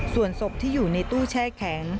ส่วนศพที่อยู่ในตู้แช่แข็ง